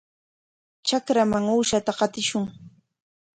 Trakraman uushata qatishun.